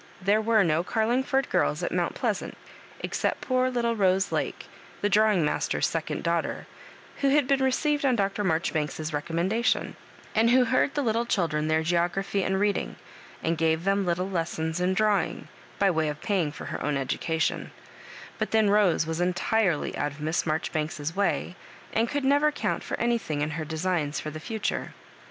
There were no Oar lingford girls at Mount Pleasant, except poor little Rose Lake, the drawing master's second daughter, who had been received on Dr. Maijon banks's recommendation, and who heard the little children their geography and readmg, and gave them little lessons in drawing, by way of paying for her own education ; but then Rose was entirely out of Miss Marjoribanks's way, and could never count for anything in her designs for the future.